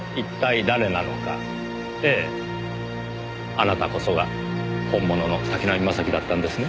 あなたこそが本物の滝浪正輝だったんですね。